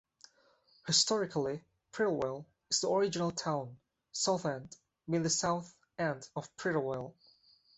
Historically, Prittlewell is the original town, Southend being the "south end" of Prittlewell.